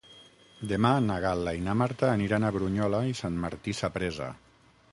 Demà na Gal·la i na Marta aniran a Brunyola i Sant Martí Sapresa.